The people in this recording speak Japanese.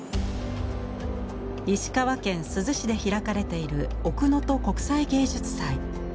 石川県珠洲市で開かれている奥能登国際芸術祭。